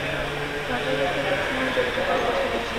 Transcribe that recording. সকালে থেকে ফোনে যোগাযোগ করার চেষ্টা করছি।